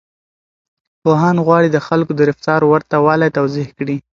پوهان غواړي د خلکو د رفتار ورته والی توضيح کړي.